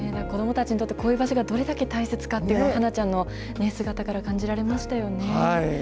子どもたちにとって、こういう場所がどれだけ大切かっていうのを、羽華ちゃんの姿から感じられましたよね。